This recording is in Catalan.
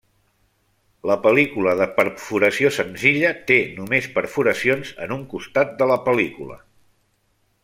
La pel·lícula de perforació senzilla té només perforacions en un costat de la pel·lícula.